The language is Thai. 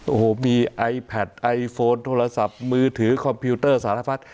โอ้โหมีไอแพทไอโฟนโทรศัพท์มือถือคอมพิวเตอร์สารพัด